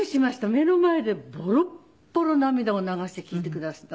目の前でボロッボロ涙を流して聴いてくだすったの。